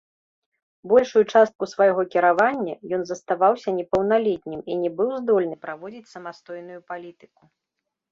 Большую частку свайго кіравання ён заставаўся непаўналетнім і не быў здольны праводзіць самастойную палітыку.